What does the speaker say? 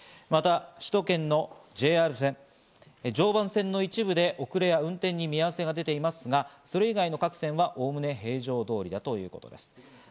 また首都圏のＪＲ線、常磐線の一部で遅れや運転に見合わせが出ていますが、それ以外の各線はおおむね平常通りだということです。